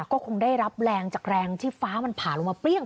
ก็คงได้รับแรงจากแรงที่ฟ้ามันผ่าลงมาเปรี้ยง